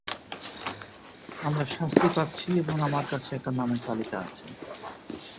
আমরা শাস্তি পাচ্ছি, এবং আমার কাছে একটা নামের তালিকা আছে!